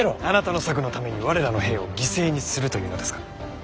あなたの策のために我らの兵を犠牲にするというのですか。